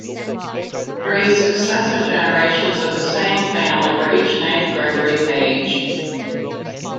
Three successive generations of the same family were each named Gregory Page.